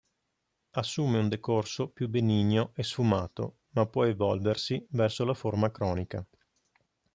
Assume un decorso più benigno o sfumato, ma può evolversi verso la forma cronica.